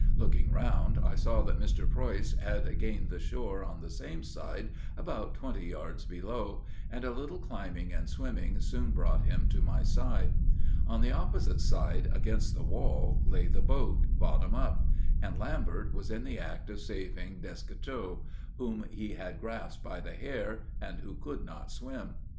Looking around, I saw that Mr. Preuss had gained the shore on the same side, about twenty yards below; and a little climbing and swimming soon brought him to my side. On the opposite side, against the wall, lay the boat, bottom up; and Lambert was in the act of saving Descoteaux, whom he had grasped by the hair, and who could not swim.